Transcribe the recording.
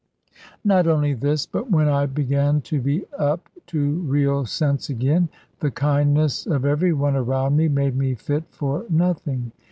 Not only this, but when I began to be up to real sense again, the kindness of every one around me made me fit for nothing.